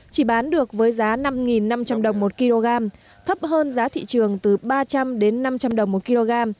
chỉ bán được với giá năm năm trăm linh đồng một kg thấp hơn giá thị trường từ ba trăm linh đến năm trăm linh đồng một kg